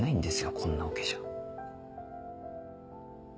こんなオケじゃ。